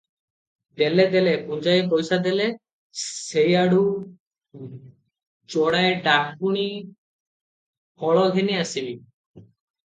ଦେଲେ ଦେଲେ, ପୁଞ୍ଜାଏ ପଇସା ଦେଲେ, ସେଇଆଡ଼ୁ ଯୋଡ଼ାଏ ଡାକୁଣୀ ଫଳ ଘେନି ଆସିବି ।"